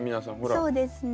そうですね。